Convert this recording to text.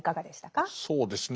そうですね。